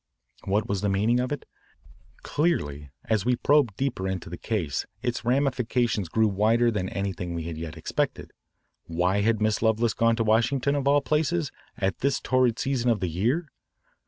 What was the meaning of it? Clearly, as we probed deeper into the case, its ramifications grew wider than anything we had yet expected. Why had Miss Lovelace gone to Washington, of all places, at this torrid season of the year?